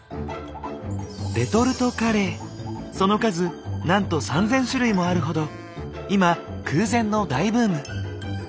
その数なんと３０００種類もあるほど今空前の大ブーム。